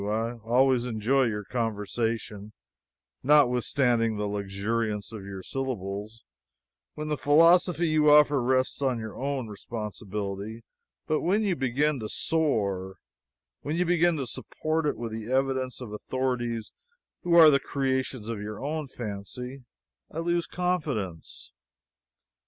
I always enjoy your conversation, notwithstanding the luxuriance of your syllables, when the philosophy you offer rests on your own responsibility; but when you begin to soar when you begin to support it with the evidence of authorities who are the creations of your own fancy I lose confidence."